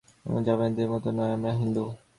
আমরা জাপানীদের মত নই, আমরা হিন্দু।